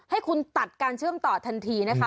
ให้คุณตัดการเชื่อมต่อทันทีนะคะ